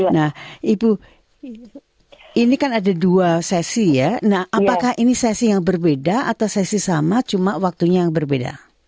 nah ibu ini kan ada dua sesi ya nah apakah ini sesi yang berbeda atau sesi sama cuma waktunya yang berbeda